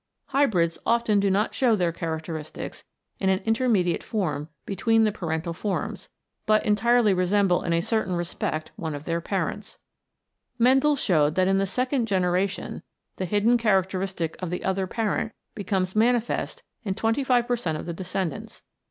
Hybrids often do not show their characteristics in an intermediate form between the parental forms, but entirely resemble in a certain respect one of their parents. 144 CHEMICAL HEREDITY Mendel showed that in the second generation the hidden characteristic of the other parent becomes manifest in 25 per cent of the descendants.